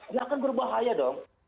ya akan berbahaya dong